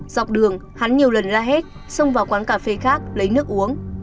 dọc đường hắn nhiều lần la hét xông vào quán cà phê khác lấy nước uống